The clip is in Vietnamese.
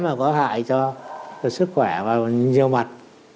mà có hại cho sức khỏe và nhiều mặt